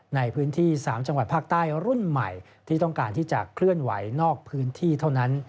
ในพื้นที่๓จังหวัดภาคใต้รุ่นใหม่ที่ต้องการที่จะเคลื่อนไหวนอกพื้นที่เท่านั้น